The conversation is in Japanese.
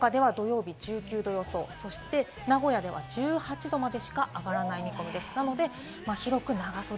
このあと冷たい空気が入ってきて、福岡では土曜日１９度予想、そして、名古屋では１８度までしか上がらない見込みです。